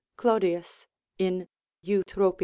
Claudius, in Eutrop.